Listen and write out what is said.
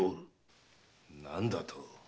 何だと？